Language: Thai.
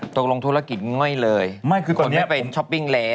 ตกลงธุรกิจง่วยเลยคนไม่ไปช้อปปิ้งแล้ว